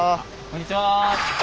こんにちは。